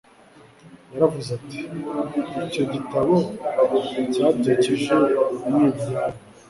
yaravuze ati icyo gitabo cyabyukije umwiryane